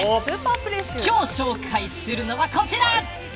今日紹介するのはこちら。